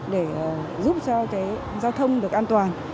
để giúp cho giao thông được an toàn